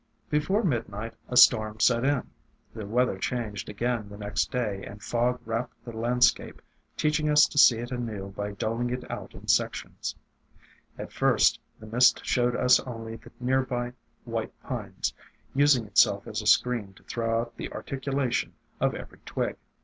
Before midnight a storm set in. The weather changed again the next day, and fog wrapped the land AFTERMATH 325 scape, teaching us to see it anew by doling it out in sections. At first the mist showed us only the near by White Pines, using itself as a screen to throw out the articulation of every twig.